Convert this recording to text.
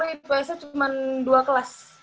ips nya cuman dua kelas